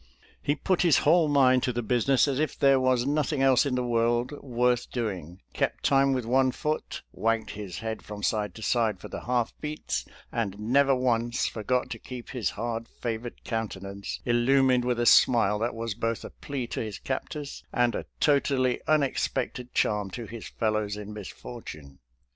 He put his whole mind to the business as if there was nothing else in the world worth doing, kept time with one foot, wagged his head from side to side for the half beats, and never once forgot to keep his hard favored countenance illumined with a smile that was both a plea to his captors and a totally unexpected charm to his fellows in misfortune.